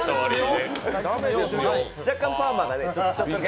若干パーマがね。